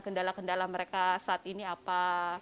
kendala kendala mereka saat ini apa